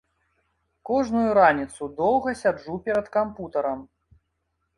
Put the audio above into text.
Кожную раніцу доўга сяджу перад кампутарам.